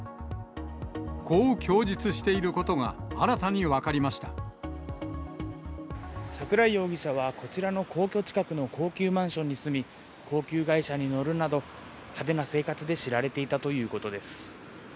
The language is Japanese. こう供述していることが、桜井容疑者は、こちらの皇居近くの高級マンションに住み、高級外車に乗るなど、派手な生活で知られていたということです。